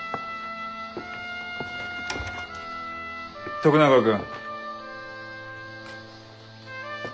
徳永君。